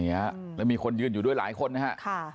นี่แล้วแล้วมีคนยื่นอยู่ด้วยหลายคนนะฮะ